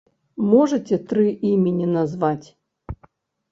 Можаце тры імені назваць?